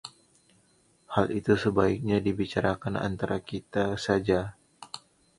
hal itu sebaiknya dibicarakan antara kita saja